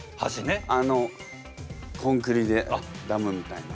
あのコンクリでダムみたいな。